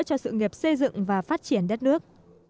cho sự nghiệp xây dựng và phát triển đất nước